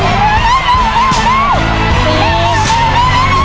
เร็วเร็ว